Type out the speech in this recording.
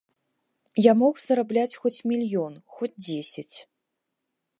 Я мог зарабляць хоць мільён, хоць дзесяць.